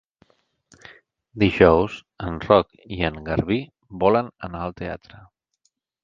Dijous en Roc i en Garbí volen anar al teatre.